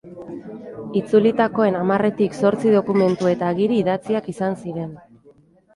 Itzulitakoen hamarretik zortzi dokumentu eta agiri idatziak izan ziren.